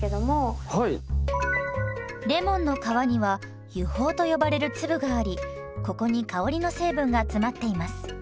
レモンの皮には油胞と呼ばれる粒がありここに香りの成分が詰まっています。